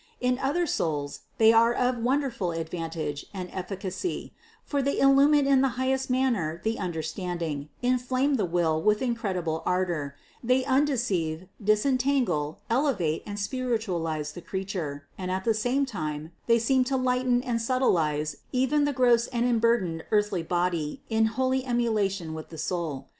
In other souls they are of wonderful advantage and efficacy, for they illumine in the highest manner the understanding, inflame the will with incredible ardor, they undeceive, disentangle, elevate and spiritualize the creature, and at the same time they seem to lighten and subtilize even the gross and em burdened earthly body in holy emulation with the soul.